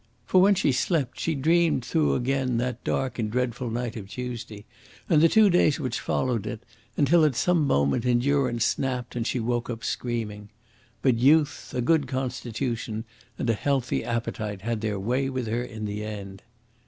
For when she slept she dreamed through again that dark and dreadful night of Tuesday and the two days which followed it, until at some moment endurance snapped and she woke up screaming. But youth, a good constitution, and a healthy appetite had their way with her in the end.